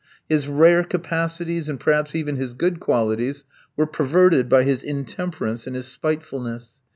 His rare capacities, and, perhaps, even his good qualities, were perverted by his intemperance and his spitefulness.